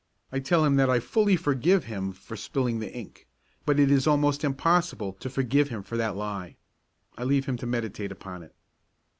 I tell him that I fully forgive him for spilling the ink, but it is almost impossible to forgive him for that lie. I leave him to meditate upon it.